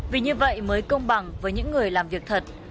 vì như vậy mới công bằng với những người làm việc thật